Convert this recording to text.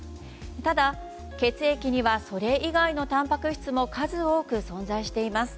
ただ、血液にはそれ以外のたんぱく質も数多く存在しています。